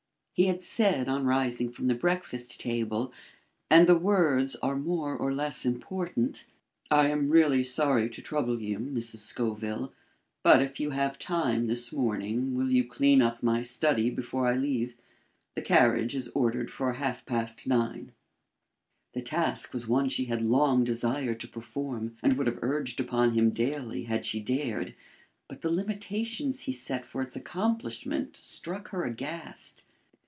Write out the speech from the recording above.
He had said on rising from the breakfast table (the words are more or less important): "I am really sorry to trouble you, Mrs. Scoville; but if you have time this morning, will you clean up my study before I leave? The carriage is ordered for half past nine." The task was one she had long desired to perform, and would have urged upon him daily had she dared, but the limitations he set for its accomplishment struck her aghast.